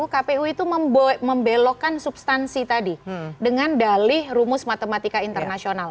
kpu itu membelokkan substansi tadi dengan dalih rumus matematika internasional